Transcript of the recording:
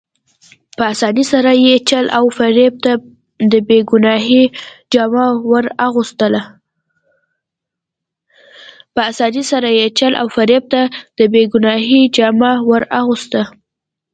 په اسانۍ سره یې چل او فریب ته د بې ګناهۍ جامه ور اغوسته.